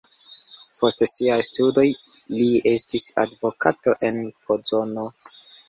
Post siaj studoj li estis advokato en Pozono.